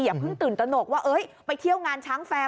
เพิ่งตื่นตนกว่าไปเที่ยวงานช้างแฟร์